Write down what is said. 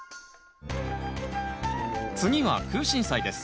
次はクウシンサイです。